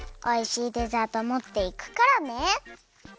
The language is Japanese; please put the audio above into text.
おいしいデザートもっていくからね。